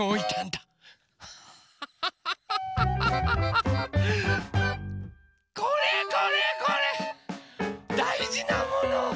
だいじなもの。